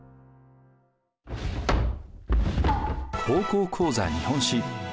「高校講座日本史」。